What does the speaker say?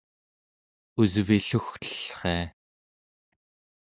usvillugtellria